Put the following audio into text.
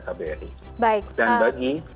kbi dan bagi